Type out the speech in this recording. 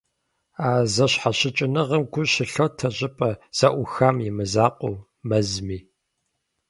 А зэщхьэщыкӀыныгъэм гу щылъотэ щӀыпӀэ зэӀухам и мызакъуэу, мэзми.